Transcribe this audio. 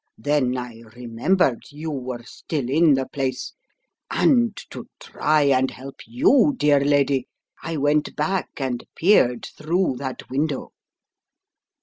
Then I remembered you were still in the place, and to try and help you, dear lady, I went back, and peered through that window.